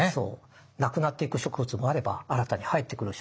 なくなっていく植物もあれば新たに入ってくる植物もある。